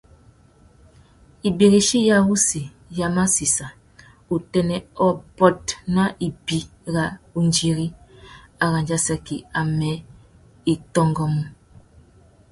Ibirichi ya wuchi ya massissa utênê ôbôt nà ibi râ undiri ; arandissaki amê i tôngômú.